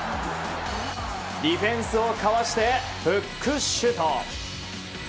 ディフェンスをかわしてフックシュート。